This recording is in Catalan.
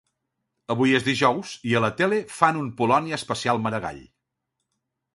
Avui és dijous i a la tele fan un Polònia Especial Maragall.